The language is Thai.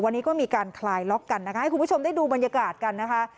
วันนี้ก็มีการคลายล็อกกันนะคะให้คุณผู้ชมได้ดูบรรยากาศกันนะคะ